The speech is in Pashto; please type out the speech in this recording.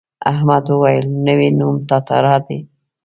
احمد وویل نوی نوم تتارا دی.